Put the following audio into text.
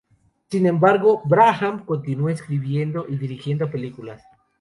Sin embargo, Bahram continuó escribiendo y dirigiendo películas.